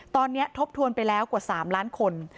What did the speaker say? ตอนนี้ทบทวนไปแล้วกว่า๓ล้านคน